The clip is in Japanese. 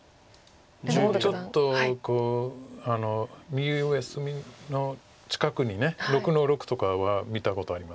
今までちょっと右上隅の近くに６の六とかは見たことあります。